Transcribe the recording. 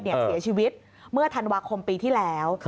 เสียชีวิตเมื่อธันวาคมปีที่แล้ว